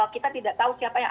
kita tidak tahu siapa yang